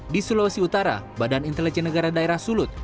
di sulawesi utara badan intelijen negara daerah sulut